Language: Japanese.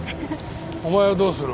お前はどうする？